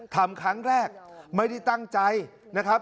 ทำครั้งแรกไม่ได้ตั้งใจนะครับ